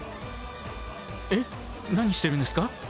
えっ何してるんですか？